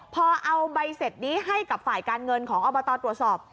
พอเอาใบเสร็จนี้ให้กับฝ่ายการเงินของอบตตรวจสอบ